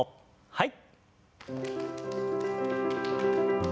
はい。